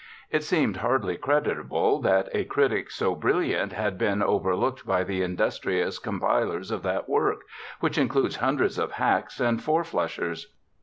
It seemed hardly credible that a critic so brilliant had been overlooked by the industrious compilers of that work, which includes hundreds of hacks and fourflushers.